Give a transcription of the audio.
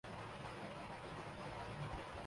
عمران خان، ہم سب جانتے ہیں کہ شرمیلے مزاج کے تھے۔